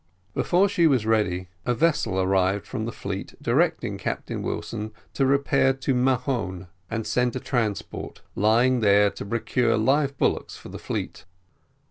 Before she was ready a vessel arrived from the fleet, directing Captain Wilson to repair to Mahon, and send a transport, lying there, to procure live bullocks for the fleet.